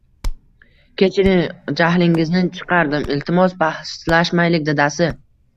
Kechiring, jahlingizni chiqardim. Iltimos, bahslashmaylik, dadasi.